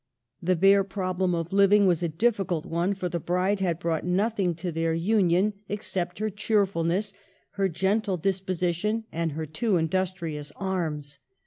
The bare problem of living was a difficult one, for the bride had brought nothing to their union ex 4 PASTEUR cept her cheerfulness, her gentle disposition and her two industrious arms.